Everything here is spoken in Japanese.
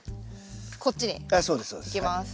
こっちにいきます。